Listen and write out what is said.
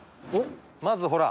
まずほら。